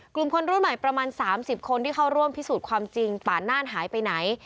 กลุ่มคนรุ่นใหม่ประมาณ๓๐คนที่เข้าร่วมพิสูจน์ความจริงป่าน่านหายไปไหน